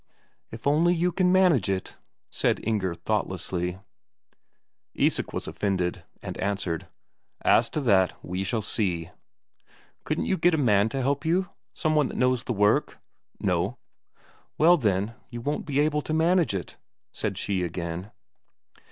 "If only you can manage it," said Inger thoughtlessly. Isak was offended, and answered, "As to that, we shall see." "Couldn't you get a man to help you, some one that knows the work?" "No." "Well, then, you won't be able to manage it," said she again.